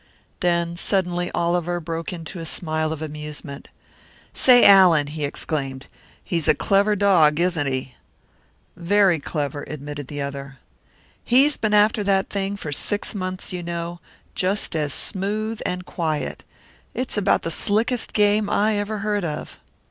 Then suddenly Oliver broke into a smile of amusement. "Say, Allan!" he exclaimed. "He's a clever dog, isn't he!" "Very clever," admitted the other. "He's been after that thing for six months, you know and just as smooth and quiet! It's about the slickest game I ever heard of!"